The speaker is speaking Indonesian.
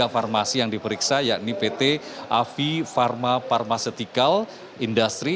tiga farmasi yang diperiksa yakni pt afi pharma pharmaceutical industri